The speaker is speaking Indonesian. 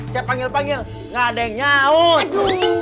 saya panggil panggil nggak ada yang nyaut